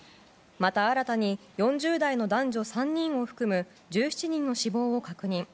また、新たに４０代の男女３人を含む１７人の死亡を確認。